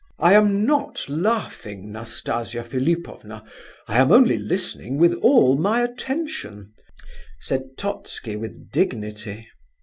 "I am not laughing, Nastasia Philipovna; I am only listening with all my attention," said Totski, with dignity.